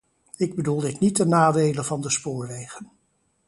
Ik bedoel dit niet ten nadele van de spoorwegen.